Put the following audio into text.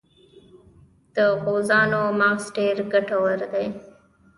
د غوزانو مغز ډیر ګټور دی.